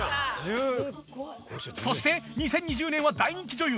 そして２０２０年は大人気女優